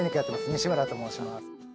西村と申します。